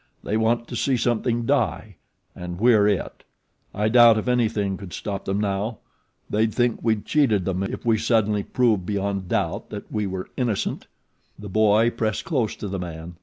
They want to see something die, and we're it. I doubt if anything could stop them now; they'd think we'd cheated them if we suddenly proved beyond doubt that we were innocent." The boy pressed close to the man.